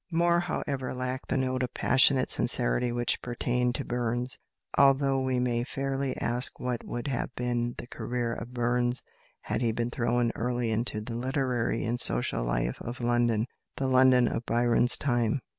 Moore, however, lacked the note of passionate sincerity which pertained to Burns; although we may fairly ask what would have been the career of Burns had he been thrown early into the literary and social life of London the London of Byron's time.